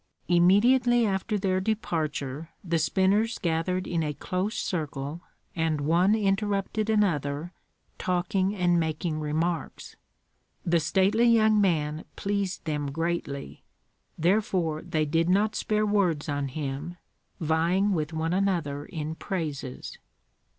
Immediately after their departure the spinners gathered in a close circle, and one interrupted another, talking and making remarks. The stately young man pleased them greatly; therefore they did not spare words on him, vying with one another in praises.